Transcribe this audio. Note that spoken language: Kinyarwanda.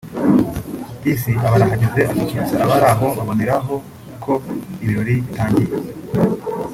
Peace aba arahageze asusurutsa abari aho baboneraho ko ibirori bitangiye